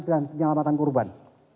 dan penyelamatan korban